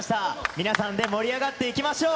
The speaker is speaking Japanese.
皆さんで盛り上がっていきましょう。